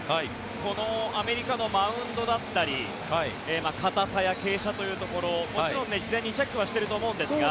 このアメリカのマウンドだったり硬さや傾斜というところもちろん事前にチェックはしてると思うんですが。